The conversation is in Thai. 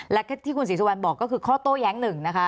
และที่คุณศรีสุวรรณบอกก็คือข้อโต้แย้งหนึ่งนะคะ